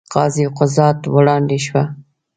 قاضي قضات ته وړاندې شوه.